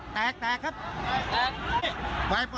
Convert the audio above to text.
ต่อไป